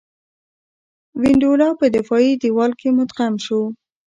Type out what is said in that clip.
وینډولا په دفاعي دېوال کې مدغم شو.